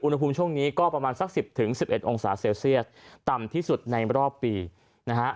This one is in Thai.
อุณหภูมิช่วงนี้ก็ประมาณสัก๑๐๑๑องศาเซลเซียสต่ำที่สุดในรอบปีนะฮะ